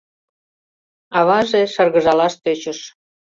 — Аваже шыргыжалаш тӧчыш.